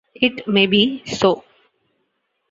It may be so.